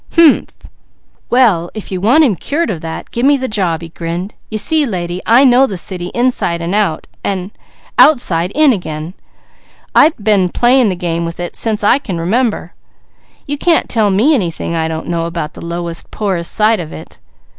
Hu'umh!" "Well if you want him cured of that, gimme the job," he grinned. "You see lady, I know the city, inside out and outside in again. I been playing the game with it since I can remember. You can't tell me anything I don't know about the lowest, poorest side of it.